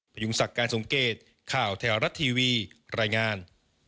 พยุงศักดิ์การสมเกตข่าวแถวรัฐทีวีรายงาน